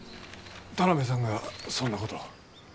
田邊さんがそんなことを。